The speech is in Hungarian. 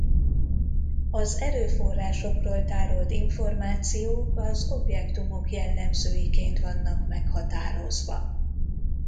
Az erőforrásokról tárolt információk az objektumok jellemzőiként vannak meghatározva.